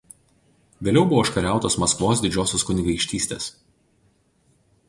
Vėliau buvo užkariautas Maskvos Didžiosios Kunigaikštystės.